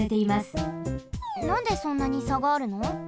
なんでそんなにさがあるの？